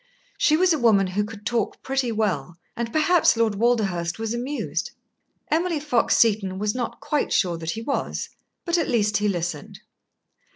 She was a woman who could talk pretty well, and perhaps Lord Walderhurst was amused. Emily Fox Seton was not quite sure that he was, but at least he listened.